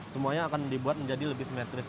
semuanya akan dibuat menjadi lebih simetris